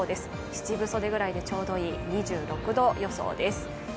七分袖ぐらいでちょうどいい２６度予想です。